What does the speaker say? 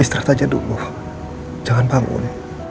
istirahat aja dulu jangan bangun